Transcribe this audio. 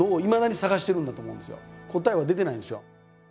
答えは出てないんですよ。